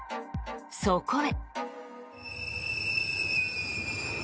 そこへ。